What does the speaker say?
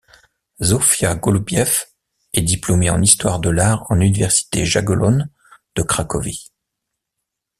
Zofia Gołubiew est diplômée en histoire de l'art de Université Jagellonne de Cracovie.